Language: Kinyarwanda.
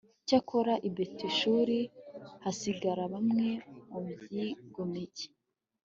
cyakora i betishuri hasigara bamwe mu byigomeke